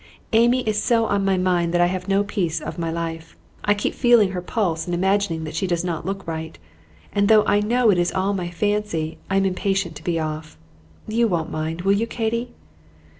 Amy is so on my mind that I have no peace of my life. I keep feeling her pulse and imagining that she does not look right; and though I know it is all my fancy, I am impatient to be off. You won't mind, will you, Katy?"